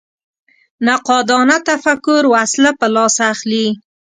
نقادانه تفکر وسله په لاس اخلي